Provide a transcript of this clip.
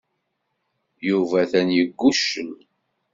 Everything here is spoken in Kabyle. Yuba atan yegguccel.